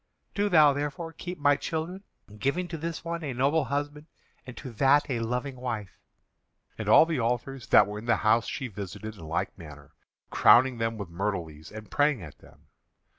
Do thou therefore keep my children, giving to this one a noble husband and to that a loving wife." And all the altars that were in the house she visited in like manner, crowning them with myrtle leaves and praying at them.